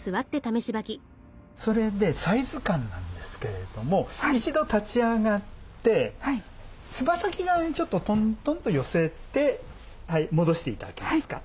それでサイズ感なんですけれども一度立ち上がってつま先側にちょっとトントンと寄せて戻して頂けますか？